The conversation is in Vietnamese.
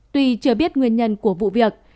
tuy chưa biết nguyên nhân của vụ việc